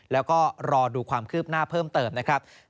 แล้วก็รอดูความคืบหน้าเพิ่มเติมนะครับ